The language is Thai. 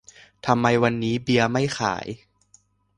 ทำไมวันนี้เบียร์ไม่ขาย